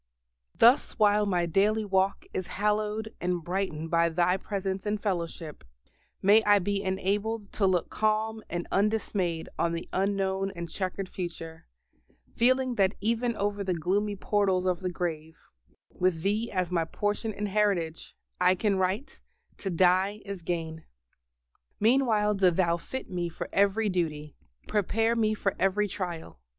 Thus while my daily walk is hallowed and brightened by Thy presence and fellowship, may I be enabled to look calm and undismayed on the unknown and chequered future, feeling that even over the gloomy portals of the grave, with Thee as my Portion and Heritage, I can write, "To die is gain!" Meanwhile do Thou fit me for every duty, prepare me for every trial.